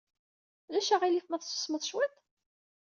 Ulac aɣilif ma tsusmed cwiṭ?